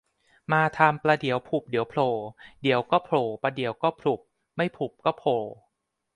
มาทำประเดี๋ยวผลุบเดี๋ยวโผล่ เดี๋ยวก็โผล่ประเดี๋ยวก็ผลุบไม่ผลุบก็โผล่